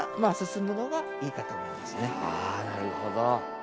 ああなるほど。